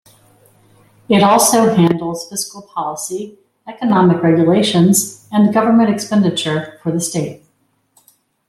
It also handles fiscal policy, economic regulations and government expenditure for the state.